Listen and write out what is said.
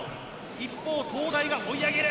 一方東大が追い上げる。